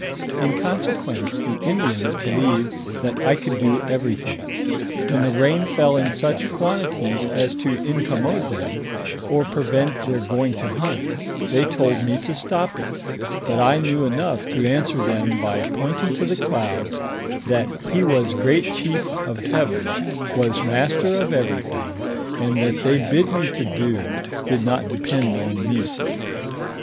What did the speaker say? In consequence the Indians believed that I could do everything ; when the rain fell in such quantities as to incommode them, or prevent their going to hunt, they told me to stop it ; but I knew enough to answer them by pointing to the clouds, that he was great chief of heaven, was master of everything, and that they bid me to do, did not depend on me.